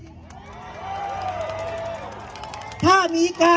สวัสดีครับ